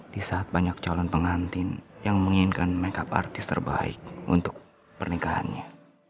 di saat banyak calon pengantin yang menginginkan makeup artis terbaik untuk pernikahannya